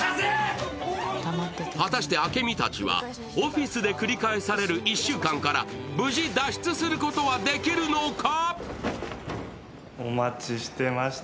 果たして朱海たちは、オフィスで繰り返される１週間から無事脱出することはできるのか？